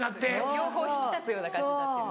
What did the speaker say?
両方引き立つような感じになってる。